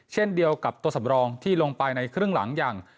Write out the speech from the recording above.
เช่นเดียวกับตัวสำรองที่ลงไปในครึ่งหลังอย่าง